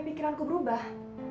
sampai pikiranku berubah